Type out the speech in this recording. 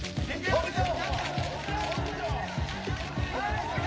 本部長！